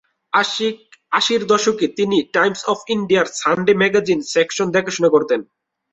আশির দশকে তিনি টাইমস অফ ইন্ডিয়ার সানডে ম্যাগাজিন সেকশন দেখাশোনা করতেন।